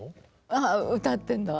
ああ歌ってんだ